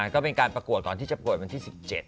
ก็เป็นการประกวดก่อนที่จะป่วยวันที่๑๗